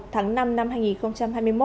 một tháng năm năm hai nghìn hai mươi một